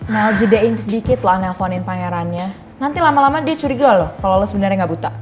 meljedein sedikit lah nelfonin pangerannya nanti lama lama dia curiga loh kalo lo sebenernya gak buta